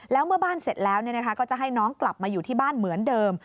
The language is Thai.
แล้วเมื่อบ้านเสร็จแล้วก็จะให้น้องกลับมาอยู่ที่บ้านเหมือนเดิม